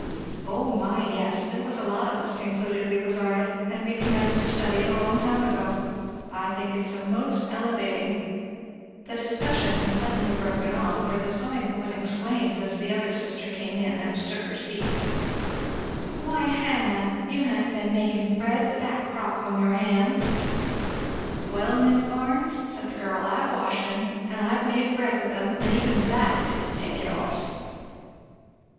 "O my, yes! There was a lot of us concluded we would learn it; and we commenced to study it a long time ago. I think it's a most elevating " The discussion was suddenly broken off, for the sewing woman exclaimed, as the other sister came in and took her seat, "Why Hannah! you ha'n't been makin' bread with that crock on your hands!" "Well Mis' Barnes!" said the girl, "I've washed 'em, and I've made bread with 'em, and even that didn't take it off!"